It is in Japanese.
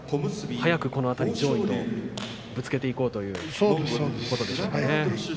早くこの辺り上位とぶつけていこうということでしょうね。